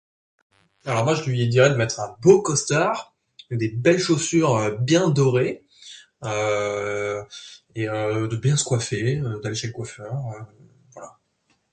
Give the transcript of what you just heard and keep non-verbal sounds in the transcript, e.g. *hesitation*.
Alors moi je lui dirais de mettre un beau costard, et des belles chaussures bien dorées *hesitation* et de bien se coiffer, d'aller chez le coiffeur, voilà.